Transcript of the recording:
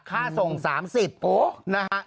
ค่าส่ง๓๐บาทโอ้โฮ